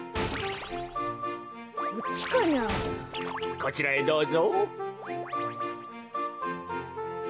こちらへどうぞ。